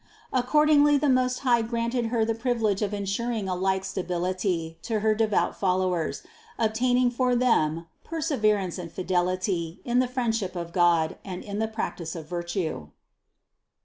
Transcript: According ly the Most High granted Her the privilege of insuring a like stability to her devout followers, obtaining for them perseverance and fidelity in the friendship of God and in the practice of virtue.